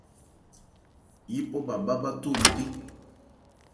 Yípɔ bhâ bhá bháthó ncɛ́n.